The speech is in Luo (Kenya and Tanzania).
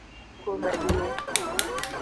Kuom adier